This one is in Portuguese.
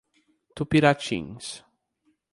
Tupiratins